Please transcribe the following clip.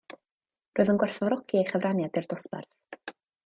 Rwyf yn gwerthfawrogi ei chyfraniad i'r dosbarth.